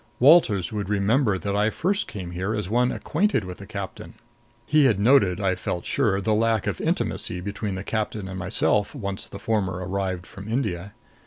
Walters would remember that I first came here as one acquainted with the captain. He had noted, I felt sure, the lack of intimacy between the captain and myself, once the former arrived from India.